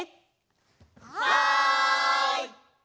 はい！